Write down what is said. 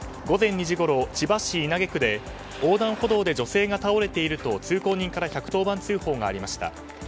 午前２時ごろ、千葉市稲毛区で横断歩道で女性が倒れていると通行人から１１０番通報がありました。